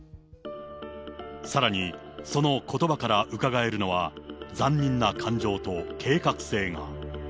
さらに、そのことばからうかがえるのは、残忍の感情と計画性が。